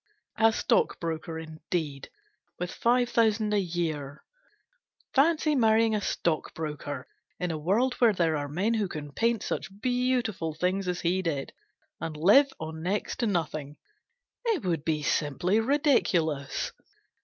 A stockbroker, indeed ! With five thousand a year ! Fancy marrying a stockbroker, in a world where there are men who can paint such beautiful things as he did and live on next to nothing ! It would be simply ridiculous.